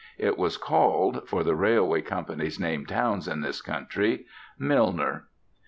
It was called (for the railway companies name towns in this country) 'Milner.'